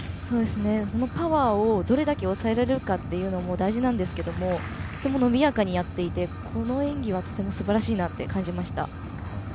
そのパワーをどれだけ抑えられるかというのも大事なんですけれどもとても伸びやかにやっていてこの演技はとてもすばらしいなって感じました。